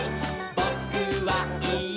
「ぼ・く・は・い・え！